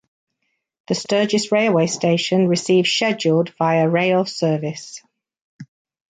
The Sturgis railway station receives scheduled Via Rail service.